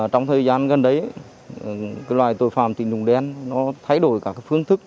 trong thời gian gần đấy loài tội phạm tình dùng đen nó thay đổi cả phương thức